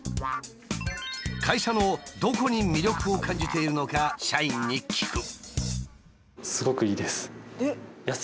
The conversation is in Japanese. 会社のどこに魅力を感じているのか社員に聞く。